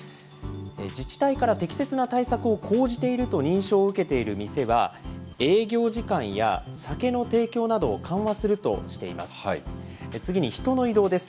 自治体から適切な対策を講じていると認証を受けている店は、営業時間や酒の提供などを緩和するとしています。